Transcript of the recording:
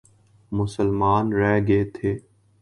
مسلمان رہ گئے تھے۔